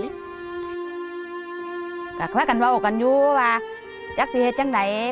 พี่น้ำเกิดมาก็พี่น้ำเดินไม่ได้ไปเอาของเองไม่ได้